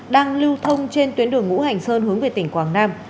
đang lưu thông trên tuyến đường ngũ hành sơn hướng về tỉnh quảng nam